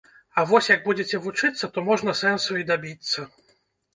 А вось, як будзеце вучыцца, то можна сэнсу і дабіцца